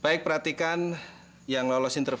baik perhatikan yang lolos intervensi